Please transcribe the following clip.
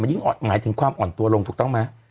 มันยิ่งออกไหนถึงความอ่อนตัวลงถูกต้องไหม